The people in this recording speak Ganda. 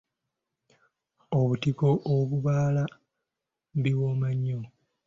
Obutiko obubaala biwooma nnyo.